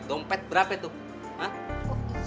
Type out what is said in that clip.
dompet berapa tuh